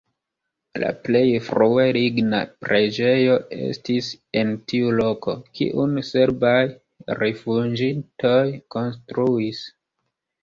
La plej frue ligna preĝejo estis en tiu loko, kiun serbaj rifuĝintoj konstruis.